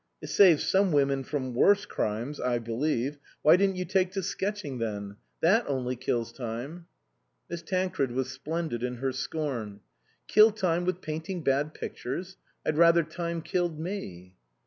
" It saves some women from worse crimes, I 75 THE COSMOPOLITAN believe. Why didn't you take to sketching then ? That only kills time." Miss Tancred was splendid in her scorn. "Kill time with painting bad pictures ? I'd rather time killed me."